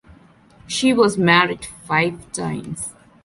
She was married five times.